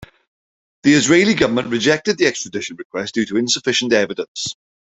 The Israeli government rejected the extradition request due to insufficient evidence.